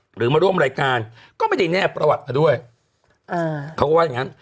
หรือมาร่วมรายการก็ไม่ได้แนบประวัติมาด้วยอ่าเขาก็ว่าอย่างงั้น